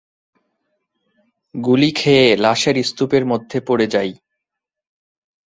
গুলি খেয়ে লাশের স্তূপের মধ্যে পড়ে যাই।